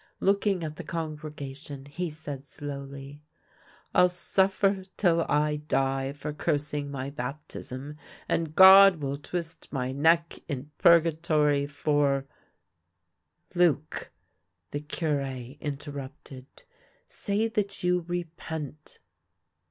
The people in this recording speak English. Looking at the congregation, he said slowly :" I'll suffer till I die for cursing my baptism, and God will twist my neck in purgatory for "" Luc," the Cure interrupted, " say that you repent."